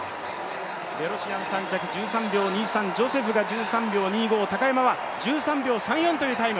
ベロシアン３着、１３秒２３、ジョセフが１３秒２５、高山は１３秒３４というタイム。